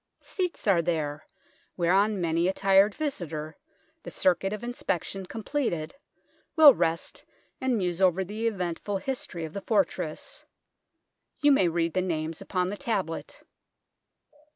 Seats are there, whereon many a tired visitor, the circuit of inspection com pleted, will rest and muse over the eventful history of the fortress. You may read the names upon the tablet.